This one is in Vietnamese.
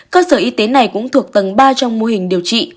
cơ sở y tế này cũng thuộc tầng ba trong mô hình điều trị